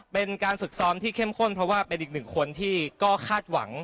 เป็นการฝึกซ้อมที่เข้มข้นเพราะว่าเป็นอีกหนึ่งคนที่ก็คาดหวัง